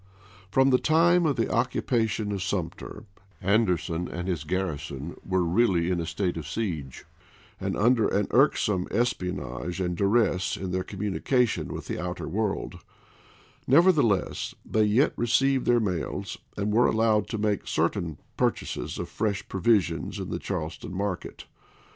From the time of the occupation of Sumter, An derson and his garrison were really in a state of siege, and under an irksome espionage and duress in their communication with the outer world ; nevertheless they yet received their mails and were allowed to make certain purchases of fresh provisions in the Charleston market.